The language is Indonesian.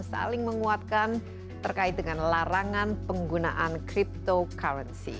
saling menguatkan terkait dengan larangan penggunaan cryptocurrency